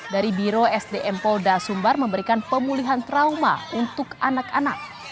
dari biro sdm polda sumbar memberikan pemulihan trauma untuk anak anak